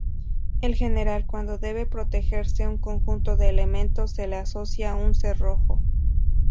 En general cuando debe protegerse un conjunto de elementos, se le asocia un cerrojo.